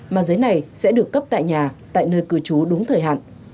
mà giấy này sẽ được cấp tại nhà tại nơi cư trú đúng thời hạn